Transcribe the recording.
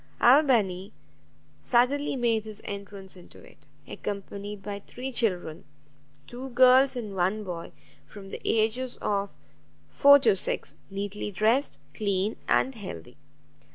Albany suddenly made his entrance into it, accompanied by three children, two girls and one boy, from the ages of four to six, neatly dressed, clean, and healthy.